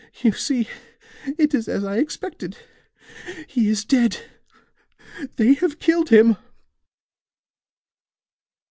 "You see, it is as I expected. He is dead. They have killed him."